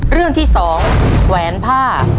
เรื่องที่๒แหวนผ้า